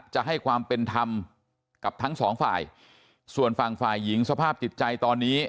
จะให้ความเป็นธรรมกับทั้งสองฝ่ายส่วนฝั่งฝ่ายหญิงสภาพจิตใจตอนนี้